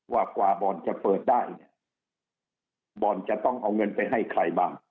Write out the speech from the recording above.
ว่ากว่าบ่อนจะเปิดได้เนี่ยบอลจะต้องเอาเงินไปให้ใครบ้าง